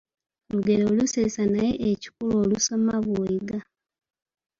Lugero lusesa naye ekikulu olusoma bw’oyiga.